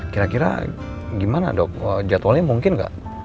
kira kira gimana dok jadwalnya mungkin nggak